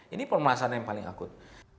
ini permasalahan yang paling akut